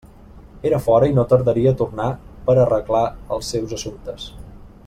Era fora i no tardaria a tornar per a arreglar els seus assumptes.